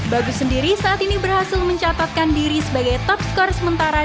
bagus sendiri saat ini berhasil mencatatkan diri sebagai top skor sementara